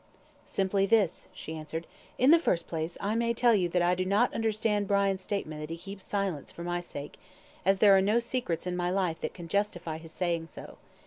"Simply this," she answered. "In the first place, I may tell you that I do not understand Brian's statement that he keeps silence for my sake, as there are no secrets in my life that can justify his saying so.